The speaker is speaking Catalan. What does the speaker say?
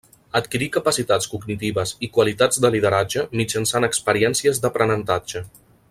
Adquirir capacitats cognitives i qualitats de lideratge mitjançant experiències d'aprenentatge.